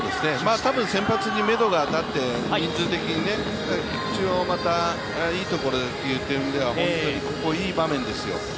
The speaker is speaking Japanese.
先発にめどが立って、人数的に菊地をまた、人数的に菊地をまたいいところでという点では本当にここ、いい場面ですよ。